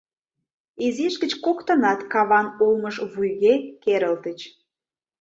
Изиш гыч коктынат каван олмыш вуйге керылтыч.